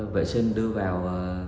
vệ sinh đưa vào